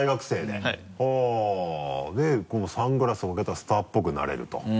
で「サングラスをかけたらスターっぽくなれる」と。